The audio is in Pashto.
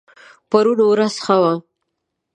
پرون ورځ ښه وه